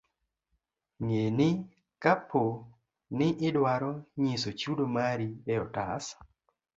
Ng'e ni kapo ni idwaro nyiso chudo mari e otas.